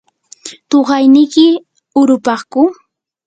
¿tuqayniki hurupaku?